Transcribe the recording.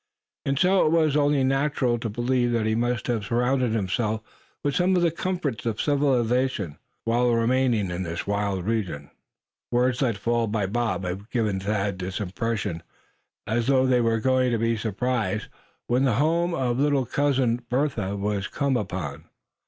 And so it was only natural to believe that he must have surrounded himself with some of the comforts of civilization, while remaining in this wild region. Words let fall by Bob had given Thad this impression; as though they were going to be surprised when the home of little Cousin Bertha was come upon.